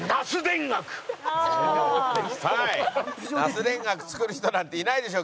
ナス田楽作る人なんていないでしょ？